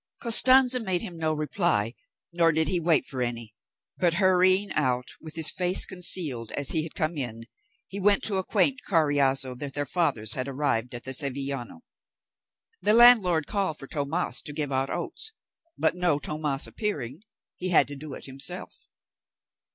Costanza made him no reply, nor did he wait for any, but hurrying out, with his face concealed as he had come in, he went to acquaint Carriazo that their fathers had arrived at the Sevillano. The landlord called for Tomas to give out oats, but no Tomas appearing, he had to do it himself.